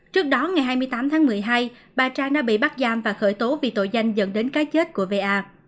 trước đó ngày hai mươi tám tháng một mươi hai bà trang đã bị bắt giam và khởi tố vì tội danh dẫn đến cái chết của va